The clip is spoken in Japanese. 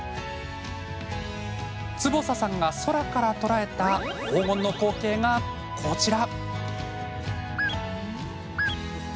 坪佐さんが空から捉えた黄金の光景が、こちら。